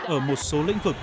ở một số lĩnh vực